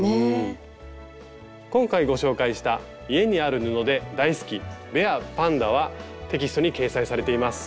今回ご紹介した「家にある布で大好きベア＆パンダ」はテキストに掲載されています。